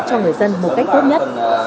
cho người dân một cách tốt nhất